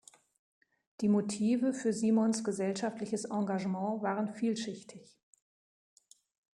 Die Motive für Simons gesellschaftliches Engagement waren vielschichtig.